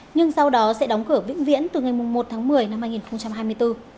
nhưng sau đó sẽ đóng cửa vĩnh viễn từ ngày một tháng một mươi năm hai nghìn hai mươi bốn